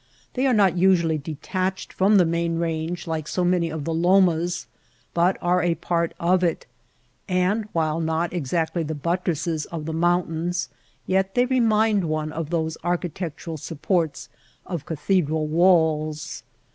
They are not usually detached from the main range like so many of the lomas, but are a part of it ; and while not exactly the buttresses of the mountains, yet they remind one of those architectural supports of cathedral walls.